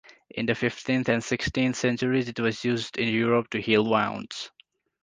In the fifteenth and sixteenth centuries it was used in Europe to heal wounds.